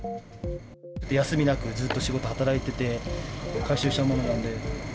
休みなく、ずっと仕事、働いてて、回収したものなんで。